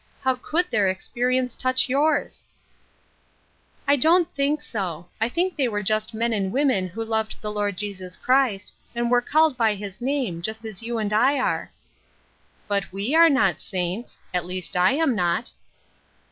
How could their experience touch yours ?" "I don't think so. I think they were just men and women who loved the Lord Jesus Christ, and were called by his name, just as you and I are." "But we are not saints ; at least I am not.